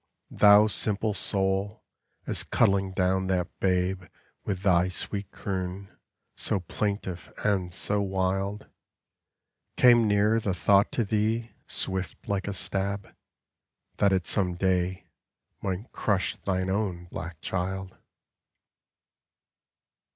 Thou simple soul, as cuddling down that babe With thy sweet croon, so plaintive and so wild, Came ne'er the thought to thee, swift like a stab, That it some day might crush thine own black child?